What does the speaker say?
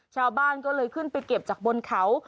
ชาวบ้านก็เลยขึ้นไปเก็บจากบนเขา